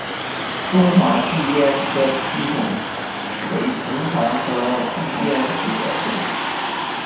中华巨咽吸虫为同盘科巨咽属的动物。